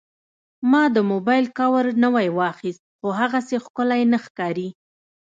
ما د موبایل کاور نوی واخیست، خو هغسې ښکلی نه ښکاري.